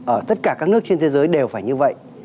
ở tất cả các nước trên thế giới đều phải như vậy